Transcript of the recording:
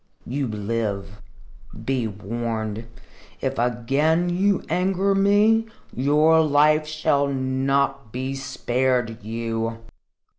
You live. Be warned. If again you anger me, your life shall not be spared you."